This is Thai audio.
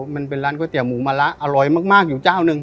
มันเป็นร้านก๋วยเตี๋หมูมะละอร่อยมากอยู่เจ้าหนึ่ง